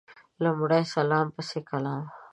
لمړی سلام پسي کلام